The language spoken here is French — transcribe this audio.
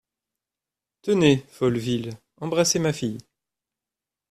Tenez, Folleville, embrassez ma fille.